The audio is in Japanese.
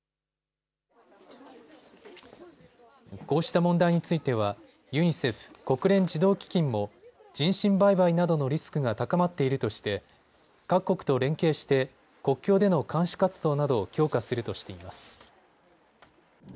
こうした問題についてはユニセフ・国連児童基金も人身売買などのリスクが高まっているとして各国と連携して国境での監視活動などを強化するとしています。